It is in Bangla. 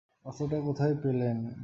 অস্ত্রটা কোথায় পেলেন?